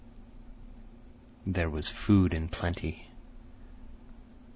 There was food in plenty.